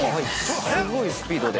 ◆すごいスピードで。